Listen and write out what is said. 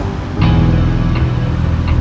kamu cuma bisa itu